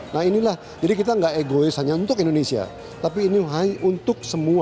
nah inilah jadi kita enggak egois hanya untuk indonesia tapi ini untuk semua